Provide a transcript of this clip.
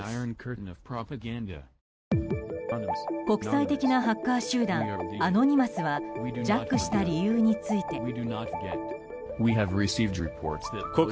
国際的なハッカー集団アノニマスはジャックした理由について。